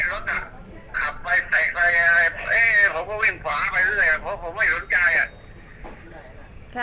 เตะรถอ่ะขับไปเตะไปอะไรผมก็วิ่งขวาไปซึ่งสักอย่างเพราะผมไม่รู้ใจอ่ะ